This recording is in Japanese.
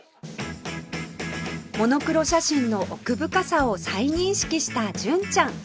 モノクロ写真の奥深さを再認識した純ちゃん